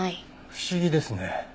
不思議ですね。